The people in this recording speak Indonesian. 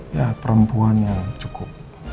ya perempuan yang cukup